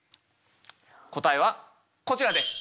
答えはこちらです。